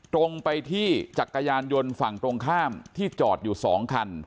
ตรงไปที่จักรยานยนต์ฝั่งตรงข้ามที่จอดอยู่๒คัน